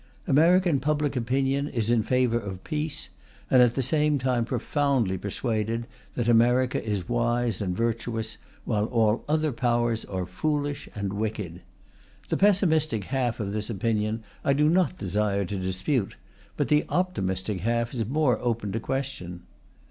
American public opinion is in favour of peace, and at the same time profoundly persuaded that America is wise and virtuous while all other Powers are foolish and wicked. The pessimistic half of this opinion I do not desire to dispute, but the optimistic half is more open to question.